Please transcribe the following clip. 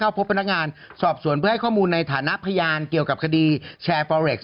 อึกอึกอึกอึกอึกอึกอึกอึกอึกอึก